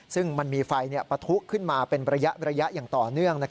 ซึ่งมันมีไฟปะทุขึ้นมาเป็นระยะอย่างต่อเนื่อง